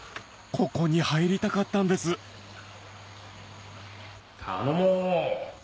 ここに入りたかったんです頼もう！